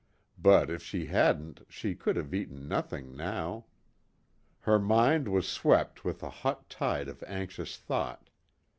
But if she hadn't she could have eaten nothing now. Her mind was swept with a hot tide of anxious thought.